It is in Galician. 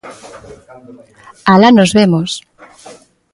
Alá nos vemos.